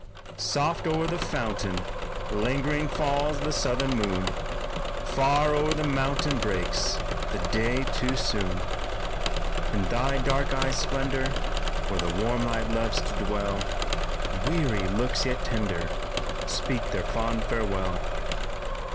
"Soft, o'er the fountain, lingering falls the southern moon, Far o'er the mountain breaks the day too soon. In thy dark eyes' splendor, where the warm light loves to dwell, Weary looks yet tender, speak their fond farewell.